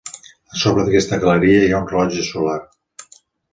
A sobre d'aquesta galeria hi ha un rellotge solar.